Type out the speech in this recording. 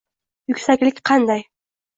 Yuksaklik qanday?